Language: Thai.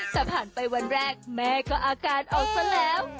แต่ผ่านไปวันแรกแม่ก็อาการออกซะแล้ว